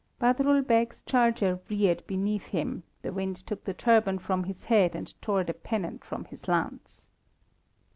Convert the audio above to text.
Badrul Beg's charger reared beneath him, the wind took the turban from his head and tore the pennant from his lance.